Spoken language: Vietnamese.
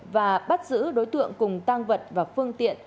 và bắt giữ đối tượng cùng tăng vật và phương tiện